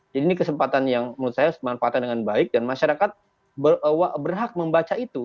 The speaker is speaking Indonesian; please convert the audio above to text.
jadi ini kesempatan yang menurut saya bermanfaat dengan baik dan masyarakat berhak membaca itu